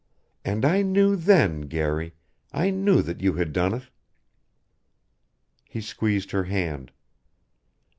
And I knew then, Garry I knew that you had done it." He squeezed her hand.